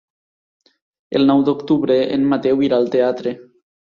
El nou d'octubre en Mateu irà al teatre.